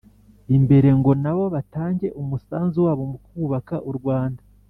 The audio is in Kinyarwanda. imbere ngo na bo batange umusanzu wabo mu kubaka u Rwanda.